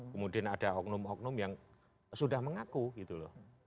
kemudian ada hoknum hoknum yang sudah mengaku gitu loh